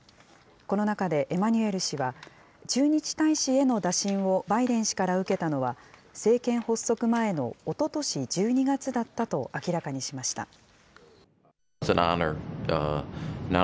この中でエマニュエル氏は、駐日大使への打診をバイデン氏から受けたのは、政権発足前のおととし１２月だったと明らかにしました。